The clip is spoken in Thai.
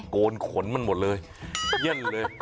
โกนขนมันหมดเลยเยี่ยนเลย